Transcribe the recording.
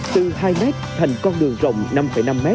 từ hai mét thành con đường rộng năm năm m